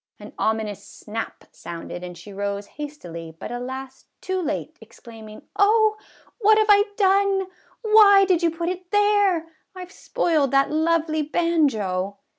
An ominous snap sounded and she rose hastily, but, alas ! too late, exclaiming, " Oh, what have I done ? Why did you put it there ? I 've spoiled that lovely banjo